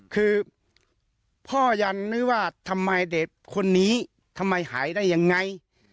คือพ่อยันนึกว่าทำไมเด็กคนนี้ทำไมหายได้ยังไง